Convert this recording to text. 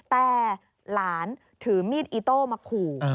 แต่หลานถือมีดอิโต้มาขู่